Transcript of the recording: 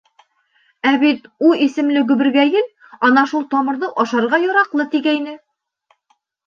Ә бит У исемле гөбөргәйел ана шул тамырҙы ашарға яраҡлы тигәйне.